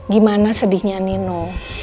gimana sedihnya nino